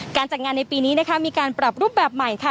การจัดงานในปีนี้นะคะมีการปรับรูปแบบใหม่ค่ะ